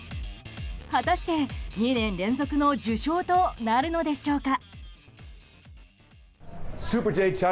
果たして２年連続の受賞となるのでしょうか。